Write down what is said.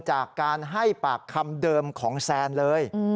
จากการให้ปากคำเดิมของแซนเลย